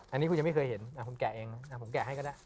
อันนี้คุณยังไม่เคยเห็นคุณแกะเองนะผมแกะให้ก็ได้